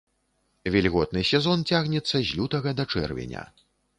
Вільготны сезон цягнецца з лютага да чэрвеня.